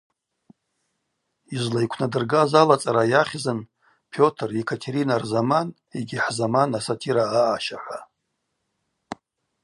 Йызлайквнадыргаз алацӏара йахьзын Пётр, Екатерина рзаман йгьи хӏзаман асатира аъаща – хӏва.